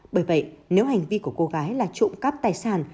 bởi vậy nếu hành vi của cô gái là trộm cắp tài sản